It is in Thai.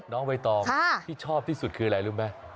น้องใบตองที่ชอบที่สุดคืออะไรรู้ไหม